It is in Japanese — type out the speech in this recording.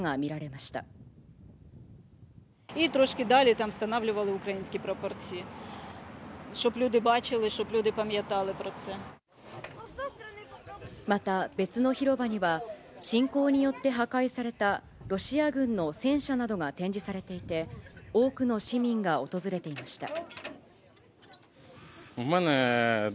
また、別の広場には、侵攻によって破壊された、ロシア軍の戦車などが展示されていて、多くの市民が訪れていました。